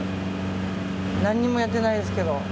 何にもやってないですけど。